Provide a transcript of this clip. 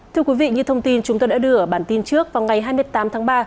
thưa quý vị như thông tin chúng tôi đã đưa ở bản tin trước vào ngày hai mươi tám tháng ba